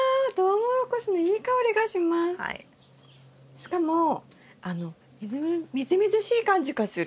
しかもあのみずみずしい感じがする。